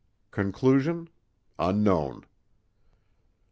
Conclusion: Unknown.